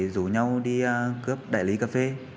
rủ nhau đi cướp đại lý cà phê